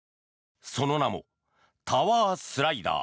その名もタワースライダー。